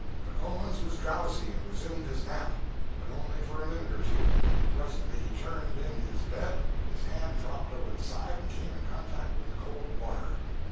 But Owens was drowsy and resumed his nap; but only for a minute or two, for presently he turned in his bed, his hand dropped over the side and came in contact with the cold water!